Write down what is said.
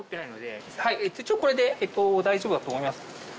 これで大丈夫だと思います。